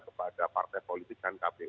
kepada partai politik dan kpu